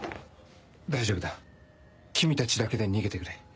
大丈夫だ君たちだけで逃げてくれ。